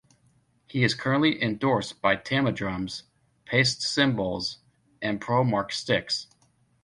He is currently endorsed by Tama drums, Paiste cymbals and Pro-Mark sticks.